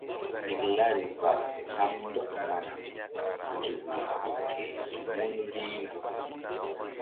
Tiklari ba haŋ ndɔk mana nzukri ƴo ke mun rihna.